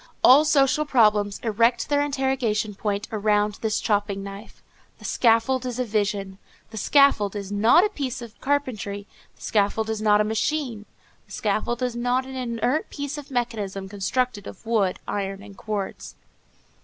All social problems erect their interrogation point around this chopping knife. The scaffold is a vision. The scaffold is not a piece of carpentry; the scaffold is not a machine; the scaffold is not an inert bit of mechanism constructed of wood, iron and cords.